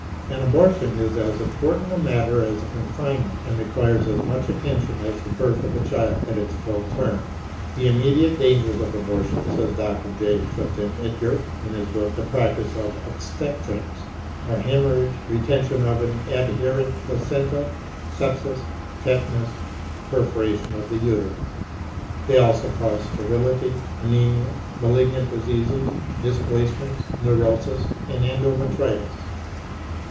An abortion is as important a matter as a confinement and requires as much attention as the birth of a child at its full term."The immediate dangers of abortion," says Dr. J. Clifton Edgar, in his book, "The Practice of Obstetrics," "are hemorrhage, retention of an adherent placenta, sepsis, tetanus, perforation of the uterus. They also cause sterility, anemia, malignant diseases, displacements, neurosis, and endometritis."